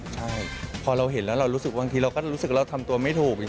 ใช่พอเราเห็นแล้วเรารู้สึกบางทีเราก็รู้สึกเราทำตัวไม่ถูก